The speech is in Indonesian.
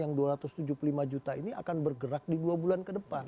yang dua ratus tujuh puluh lima juta ini akan bergerak di dua bulan ke depan